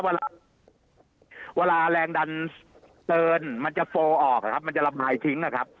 เวลาเวลาแรงดันเกินมันจะโฟลออกนะครับมันจะระบายทิ้งนะครับ